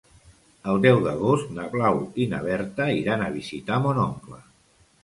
El deu d'agost na Blau i na Berta iran a visitar mon oncle.